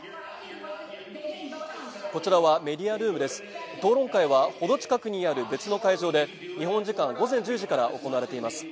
こちらはメディアルームです討論会は程近くにある別の会場で日本時間午前１０時から行われています